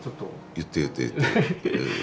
言って言って言って。